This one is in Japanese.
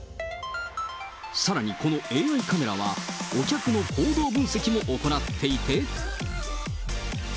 さらにこのＡＩカメラは、お客の行動分析も行っていて。